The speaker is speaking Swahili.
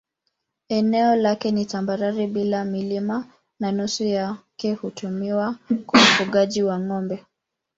Eneo lake ni tambarare bila milima na nusu yake hutumiwa kwa ufugaji wa ng'ombe.